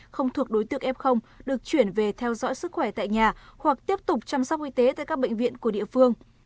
không thuộc đối tượng f được chuyển về theo dõi sức khỏe tại nhà hoặc tiếp tục chăm sóc y tế tại các bệnh viện của địa phương